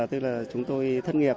tức là chúng tôi thất nghiệp